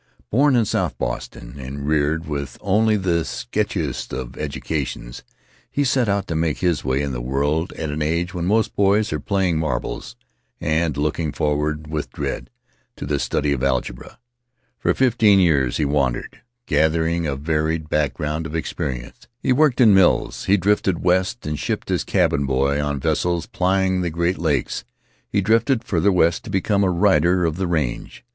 Born in South Boston and reared with only the sketchiest of educations, he set out to make his way in the world at an age when most boys are playing marbles and looking forward with dread to the study of algebra. For fifteen years he wandered, gathering a varied background of experience. He worked in mills; he drifted west and shipped as cabin boy on vessels plying the Great Lakes; he drifted farther west to become a rider of the range.